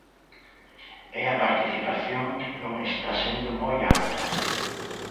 E a participación non está sendo moi alta.